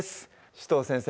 紫藤先生